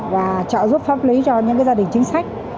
và trợ giúp pháp lý cho những gia đình chính sách